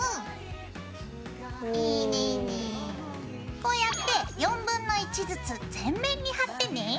こうやってずつ全面に貼ってね。